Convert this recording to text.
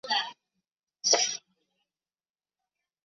担心儿子有没有好好工作